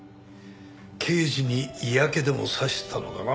刑事に嫌気でも差したのかな？